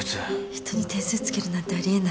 人に点数つけるなんてあり得ない。